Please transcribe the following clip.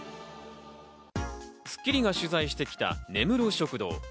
『スッキリ』が取材してきた根室食堂。